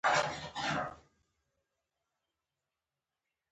سوله د نړۍ د بقا لپاره اړینه ده.